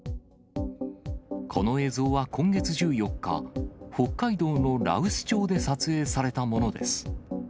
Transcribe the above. この映像は今月１４日、北海道の羅臼町で撮影されたものです。